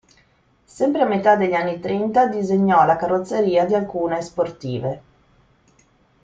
Sempre a metà anni trenta disegnò la carrozzeria di alcune sportive.